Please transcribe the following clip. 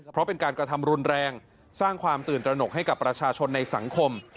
เพราะเป็นการกระทำรุนแรงสร้างความตื่นตระหนกให้กับประชาชนในสังคม